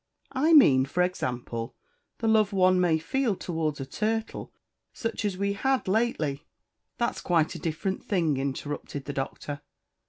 "I mean, for example, the love one may feel towards a turtle, such as we had lately." "That's quite a different thing," interrupted the Doctor.